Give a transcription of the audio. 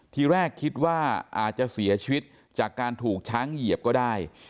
ทีแรกคิดว่าอาจจะเสียชีวิตจากการถูกช้างเหยียบก็ได้